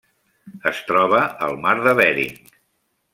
Es troba al mar de Bering.